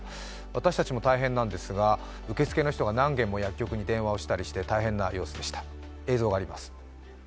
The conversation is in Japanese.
私たちも大変なんですが受付の人が何軒も薬局に電話をしたりして大変な様子でした、映像があります。